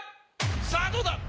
⁉さぁどうだ